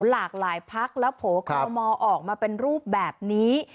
หลากหลายภักดิ์และโผโคโมออกมาเป็นรูปแบบนี้